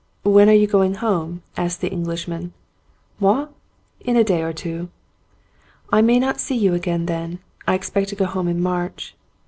"When are you going home?" asked the Eng lishman. "Moi? Oh, in a day or two." "I may not see you again then. I expect to go home in March."